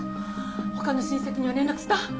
他の親戚には連絡した？